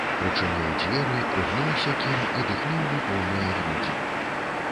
Прычыніў дзверы, прыгнуўся к ім і дыхнуў на поўныя грудзі.